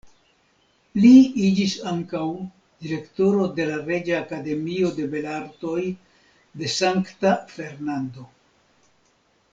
Li iĝis ankaŭ direktoro de la Reĝa Akademio de Belartoj de Sankta Fernando.